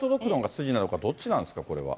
筋なのか、どっちなんですか、これは。